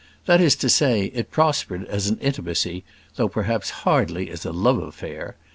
That is to say, it prospered as an intimacy, though perhaps hardly as a love affair.